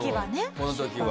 この時は。